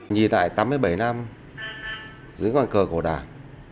nhìn lại tám mươi bảy năm dưới ngọn cờ của đảng